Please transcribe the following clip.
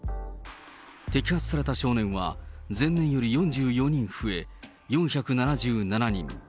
摘発された少年は、前年より４４人増え、４７７人。